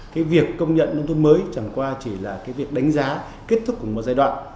cái việc công nhận nông thôn mới chẳng qua chỉ là cái việc đánh giá kết thúc của một giai đoạn